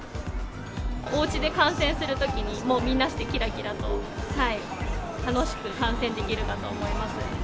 おうちで観戦するときに、みんなしてきらきらと、楽しく観戦できるかと思います。